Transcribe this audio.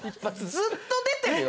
ずっと出てるよ。